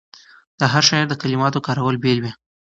د هر شاعر د کلماتو کارول بېل وي.